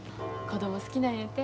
子供好きなんやて。